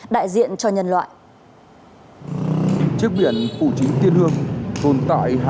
đại diện cho nhân loại